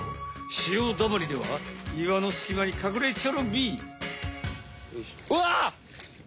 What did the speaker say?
潮だまりでは岩のすきまにかくれちょるび。